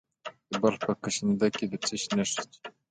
د بلخ په کشنده کې د څه شي نښې دي؟